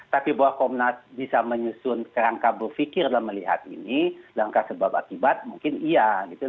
kalau komnas bisa menyusun kerangka berpikir dalam melihat ini rangka sebab akibat mungkin iya